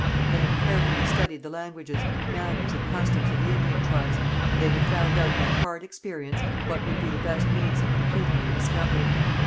They had carefully studied the languages, manners, and customs of the Indian tribes, and they had found out by hard experience what would be the best means of completing their discovery.